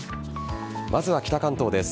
まずは北関東です。